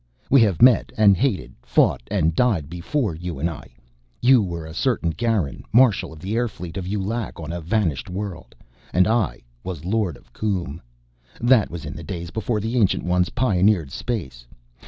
We have met and hated, fought and died before you and I. You were a certain Garan, Marshall of the air fleet of Yu Lac on a vanished world, and I was Lord of Koom. That was in the days before the Ancient Ones pioneered space.